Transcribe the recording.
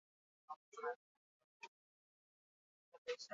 Anekdota ugari uzten du bere urte horietako ibilbideak.